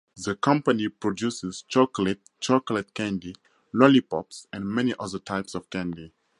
The company produces chocolate, chocolate candy, lollipops and many other types of candy.